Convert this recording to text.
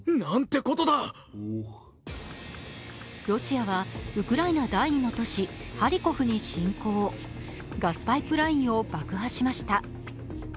ロシアはウクライナ第２の都市、ハリコフに侵攻、ガスパイプラインを爆破しました。